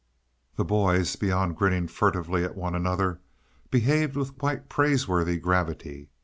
The boys, beyond grinning furtively at one another, behaved with quite praiseworthy gravity.